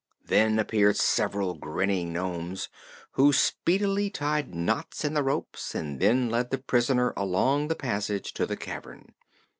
Then appeared several grinning nomes, who speedily tied knots in the ropes and then led the prisoner along the passage to the cavern.